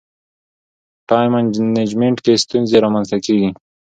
ټایم منجمنټ کې ستونزې رامنځته کېږي.